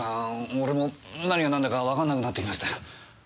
俺もう何が何だかわかんなくなってきました。